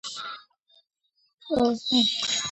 ზაფხული ძირითადად ნოტიოა.